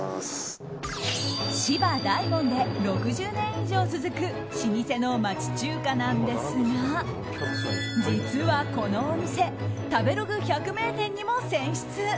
芝大門で６０年以上続く老舗の町中華なんですが実は、このお店食べログ百名店にも選出。